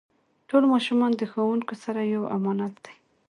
ټول ماشومان د ښوونکو سره یو امانت دی.